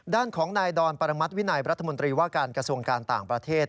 ด้านของนายดอนปรมัติวินัยรัฐมนตรีว่าการกระทรวงการต่างประเทศ